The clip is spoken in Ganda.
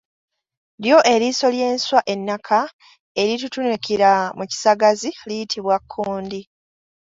Lyo eriiso ly’enswa ennaka eritutunukira mu kisagazi liyitibwa kkundi.